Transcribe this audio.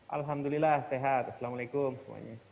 alhamdulillah sehat assalamu'alaikum semuanya